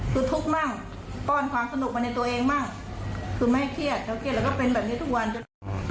คือทุกข์มั่งป้อนความสนุกมาในตัวเองบ้างคือไม่ให้เครียดเขาเครียดแล้วก็เป็นแบบนี้ทุกวันจน